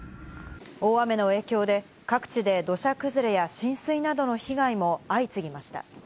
大雨の影響で、各地で土砂崩れや浸水などの被害も相次ぎました。